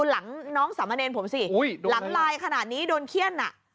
หลังลายขนาดนี้โดนเครียดหนัก